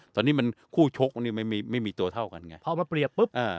ตอนนี้มันคู่ชกมันนี่ไม่มีไม่มีตัวเท่ากันไงพอมาเปรียบปุ๊บอ่า